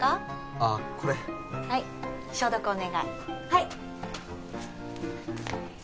ああこれはい消毒お願いはい！